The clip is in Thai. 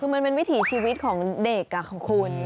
คือมันเป็นวิถีชีวิตของเด็กค่ะคุณ